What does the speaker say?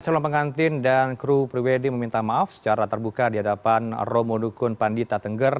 calon pengantin dan kru priwedi meminta maaf secara terbuka di hadapan romo dukun pandita tengger